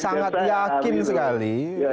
sangat yakin sekali